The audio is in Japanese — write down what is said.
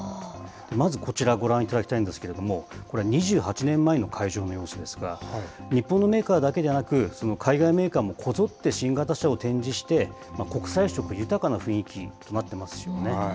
まずこちら、ご覧いただきたいんですけれども、これは２８年前の会場の様子ですが、日本のメーカーだけではなく、海外メーカーもこぞって新型車を展示して、国際色豊かな雰囲気になってますよね。